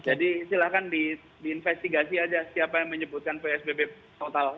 jadi silahkan diinvestigasi aja siapa yang menyebutkan psbb total